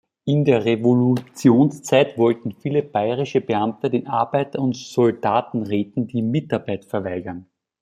In der Revolutionszeit wollten viele bayerische Beamte den Arbeiter- und Soldatenräten die Mitarbeit verweigern.